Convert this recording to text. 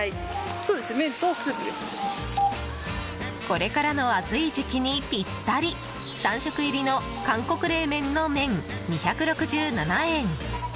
これからの暑い時期にピッタリ３食入りの韓国冷麺の麺２６７円。